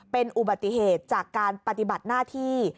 เป็นอุบัติเหตุจากการปฏิบัติหน้าที่